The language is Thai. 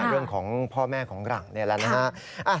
เรื่องของพ่อแม่ของหลังนี่แหละนะฮะ